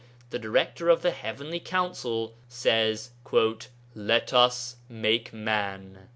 the Director of the Heavenly Council says, 'Let us make man.'